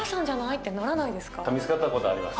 ってなら見つかったことあります。